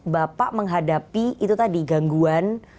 bapak menghadapi itu tadi gangguan